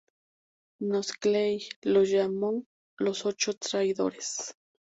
Shockley los llamó Los Ocho Traidores.